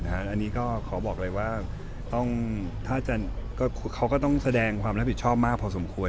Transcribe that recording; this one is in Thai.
อันนี้ก็ขอบอกเลยว่าถ้าเขาก็ต้องแสดงความรับผิดชอบมากพอสมควร